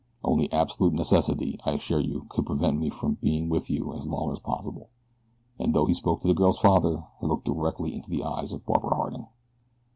Only absolute necessity, I assure you, could prevent me being with you as long as possible," and though he spoke to the girl's father he looked directly into the eyes of Barbara Harding.